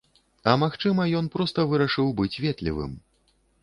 А магчыма, ён проста вырашыў быць ветлівым.